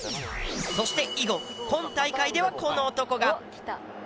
そして以後今大会ではこの男が。